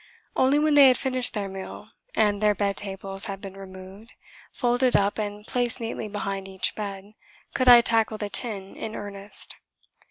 Only when they had finished their meal, and their bed tables had been removed, folded up and placed neatly behind each bed, could I tackle the tin in earnest.